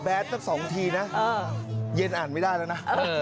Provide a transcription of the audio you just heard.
แบตตั้งสองทีนะเย็นอ่านไม่ได้แล้วนะ